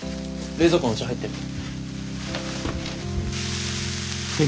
冷蔵庫にお茶入ってる。